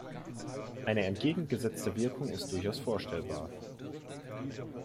Eine entgegengesetzte Wirkung ist durchaus vorstellbar.